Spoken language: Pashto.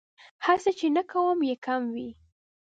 هسې نه چې کوم يې کم وي